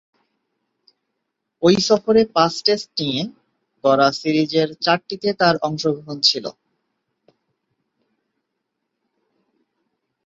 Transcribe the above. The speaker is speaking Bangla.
ঐ সফরে পাঁচ টেস্ট নিয়ে গড়া সিরিজের চারটিতে তার অংশগ্রহণ ছিল।